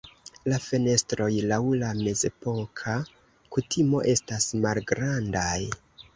La fenestroj laŭ la mezepoka kutimo estas malgrandaj.